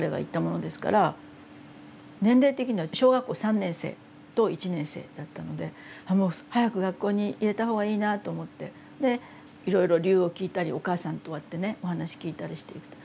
年齢的には小学校３年生と１年生だったのでもう早く学校に入れた方がいいなと思ってでいろいろ理由を聞いたりお母さんと会ってねお話聞いたりしていくと。